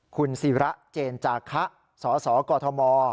คุณสีระเจนจากฮะส่อกฎม